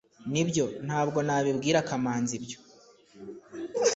Nibyo ntabwo nabibwira kamanzi ibyo